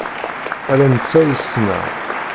Ala netta i ssneɣ.